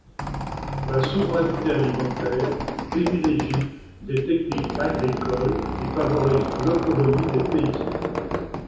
La souveraineté alimentaire privilégie des techniques agricoles qui favorisent l'autonomie des paysans.